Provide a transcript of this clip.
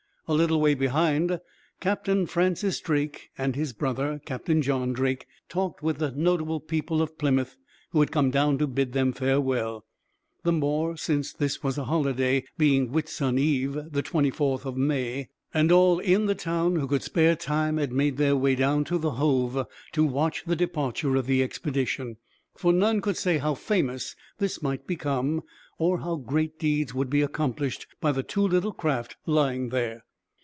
A little way behind, Captain Francis Drake and his brother, Captain John Drake, talked with the notable people of Plymouth, who had come down to bid them farewell; the more since this was a holiday, being Whitsun Eve, the 24th May, and all in the town who could spare time had made their way down to the Hove to watch the departure of the expedition; for none could say how famous this might become, or how great deeds would be accomplished by the two little craft lying there.